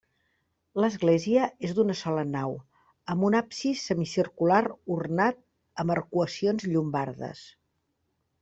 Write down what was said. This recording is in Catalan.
L'església és d'una sola nau, amb un absis semicircular ornat amb arcuacions llombardes.